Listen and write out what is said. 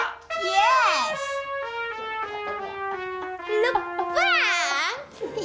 kegiatan widi kegiatan